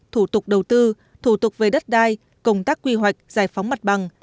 thủ tục đầu tư thủ tục về đất đai công tác quy hoạch giải phóng mặt bằng